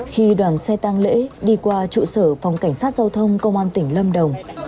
khi đoàn xe tăng lễ đi qua trụ sở phòng cảnh sát giao thông công an tỉnh lâm đồng